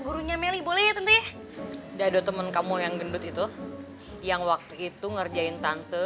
gurunya melih boleh ya tentunya jadi ada temen kamu yang gendut itu yang waktu itu ngerjain tante